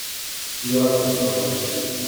Tu verras comme ça va marcher.